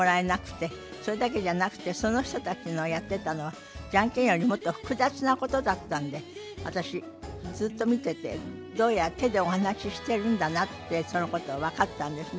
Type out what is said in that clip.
それだけじゃなくてその人たちのやってたのはジャンケンよりもっと複雑なことだったんで私ずっと見ててどうやら手でお話ししてるんだなってそのことが分かったんですね。